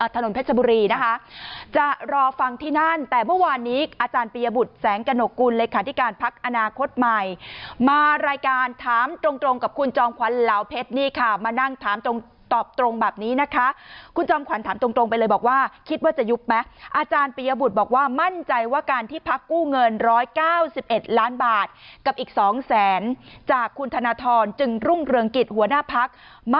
ถนนเพชรบุรีนะคะจะรอฟังที่นั่นแต่เมื่อวานนี้อาจารย์ปียบุตรแสงกระหนกกุลเลขาธิการพักอนาคตใหม่มารายการถามตรงกับคุณจอมขวัญเหลาเพชรนี่ค่ะมานั่งถามตรงตอบตรงแบบนี้นะคะคุณจอมขวัญถามตรงไปเลยบอกว่าคิดว่าจะยุบไหมอาจารย์ปียบุตรบอกว่ามั่นใจว่าการที่พักกู้เงิน๑๙๑ล้านบาทกับอีก๒แสนจากคุณธนทรจึงรุ่งเรืองกิจหัวหน้าพัก